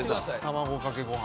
卵かけご飯。